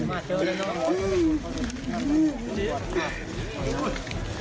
สวัสดีครับทุกคน